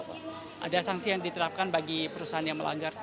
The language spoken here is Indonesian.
ada sanksi yang diterapkan bagi perusahaan yang melanggar